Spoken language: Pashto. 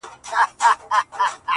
له نيکه را پاته سوی په ميراث دی!!